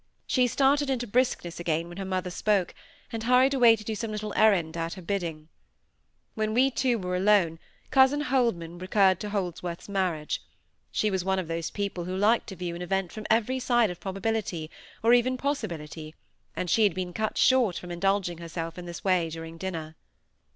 She started into briskness again when her mother spoke, and hurried away to do some little errand at her bidding. When we two were alone, cousin Holman recurred to Holdsworth's marriage. She was one of those people who like to view an event from every side of probability, or even possibility; and she had been cut short from indulging herself in this way during dinner.